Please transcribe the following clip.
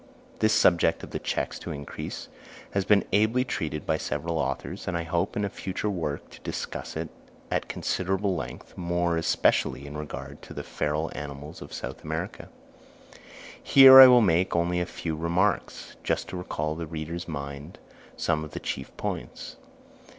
This subject of the checks to increase has been ably treated by several authors, and I hope in a future work to discuss it at considerable length, more especially in regard to the feral animals of South America. Here I will make only a few remarks, just to recall to the reader's mind some of the chief points.